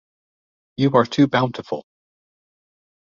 You are too bountiful!